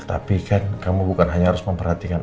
tapi kan kamu bukan hanya harus memperhatikan